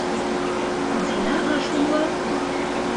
— Зина ыш умло.